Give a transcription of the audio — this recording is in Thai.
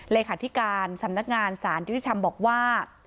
เลขาธิการสำนักงานสารยุติธรรมบอกว่า